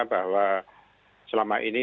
bahwa selama ini